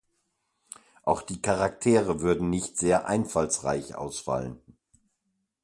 Auch die Charaktere würden nicht sehr einfallsreich ausfallen.